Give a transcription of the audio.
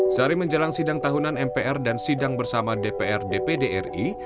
pada hari menjelang sidang tahunan mpr dan sidang bersama dpr dpdri